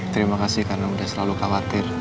terima kasih karena sudah selalu khawatir